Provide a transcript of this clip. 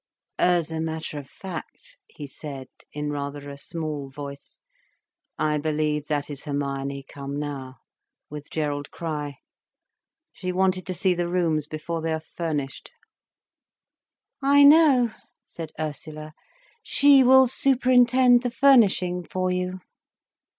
"As a matter of fact," he said, in rather a small voice, "I believe that is Hermione come now, with Gerald Crich. She wanted to see the rooms before they are furnished." "I know," said Ursula. "She will superintend the furnishing for you."